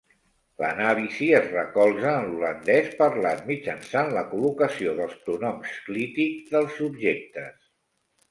L'anàlisi es recolza en l'holandès parlat mitjançant la col·locació dels pronoms clítics dels subjectes.